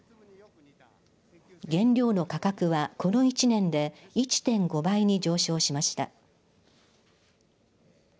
原料の価格はこの１年で１．５倍に上昇しました。